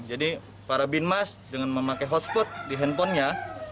jadi para binmas dengan memakai hotspot di handphonenya